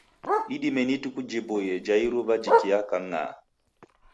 Idime ni ituku jipoie ja iruwa jikiaka ng'aa.